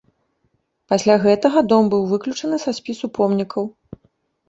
Пасля гэтага дом быў выключаны са спісу помнікаў.